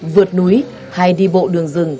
vượt núi hay đi bộ đường rừng